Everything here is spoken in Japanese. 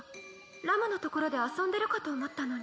ラムのところで遊んでるかと思ったのに。